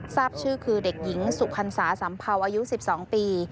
ทราบชื่อคือเด็กหญิงสุพรรษาสัมเภาอายุ๑๒ปี